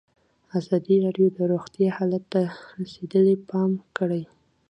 ازادي راډیو د روغتیا حالت ته رسېدلي پام کړی.